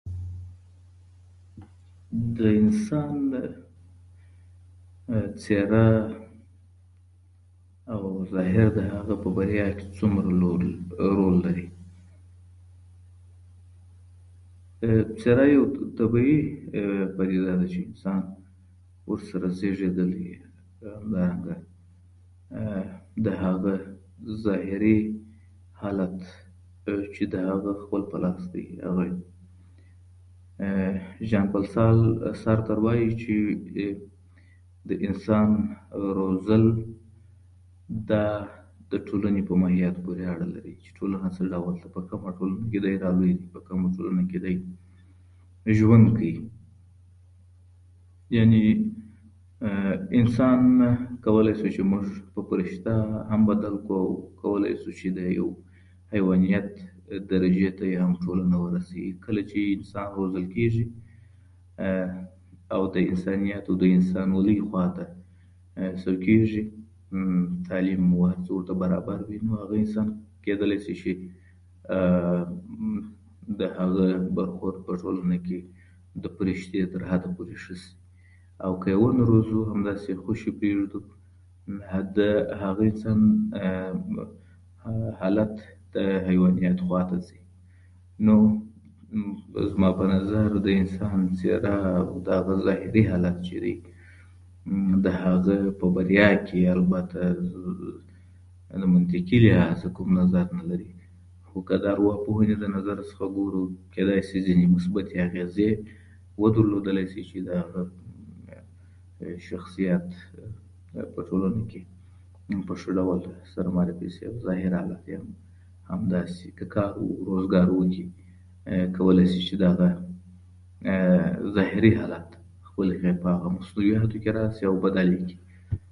د انسان څېره او ظاهر د هغه په بریا کې څومره رول لري؟ څېره یوه طبيعي پدیده ده چې انسان ورسره زېږېدلی دی، د هغه ظاهري حالت بلکې د هغه خپل په لاس دی. [unintelligible] وايي چې د انسان روزل دا د ټولنې په ماهیت پورې اړه لري، چې ټولنه څه ډول ده، په کومه ټولنه کې دا رالوېدلی دی، په کومه ټولنه کې دا ژوند کوي. یعنې انسان کولای شو چې په پرښته هم بدل کړو او کولای شو د حیوانیت درجې ته یې هم ټولنه ورسوي. کله چې انسان روزل کېږي او د انسانیت او انسانولۍ خواته سوق کېږي او تعلیم او هر څه ورته برابر وي، هغه انسان کېدلای شي چې د هغه برخورد د پرښتې تر حده ښه شي؛ او که یې ونه روزو، همداسې یې خوشې پرېږدو، د هغه انسان حالت د حیوانیت خواته ځي. نو زما په نظر د انسان څېره او د هغه ظاهري حالت چې دی، د هغه په بریا کې البته د منطقي لحاظه کوم اغېز نه لري، خو که د ارواپوهنې له نظره څخه ګورو، کېدای شي ځینې مثبتې اغېزې درلودلای شي چې د هغه شخصیت په ټولنه کې په ښه ډول معرفي شي او ظاهر که همداسې کار روزګار وکړي، کولای شي چې دغه دغه ظاهري حالت خپله [unintelligible] کې راشي او بدل یې کړي.